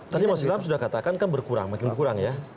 tadi mas ilham sudah katakan kan berkurang makin berkurang ya